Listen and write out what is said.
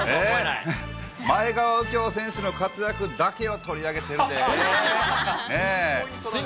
前川右京選手の活躍だけを取り上げてるんでね。